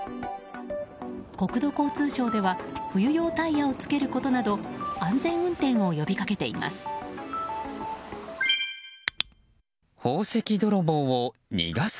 国土交通省では冬用タイヤを着けることなど安全運転を呼び掛けています。